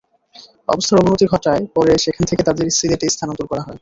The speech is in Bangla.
অবস্থার অবনতি ঘটায় পরে সেখান থেকে তাঁদের সিলেটে স্থানান্তর করা হয়।